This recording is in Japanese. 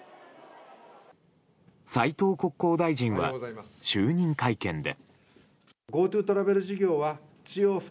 斉藤国交大臣は就任会見で。